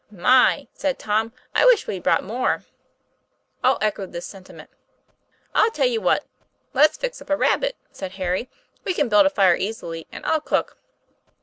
" My!" said Tom, " I wish we'd brought more!" All echoed this sentiment. "I tell you what; let's fix up a rabbit," said Harry; 'we can build a fire easily, and I'll cook."